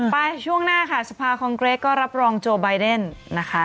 ช่วงหน้าค่ะสภาคองเกรทก็รับรองโจไบเดนนะคะ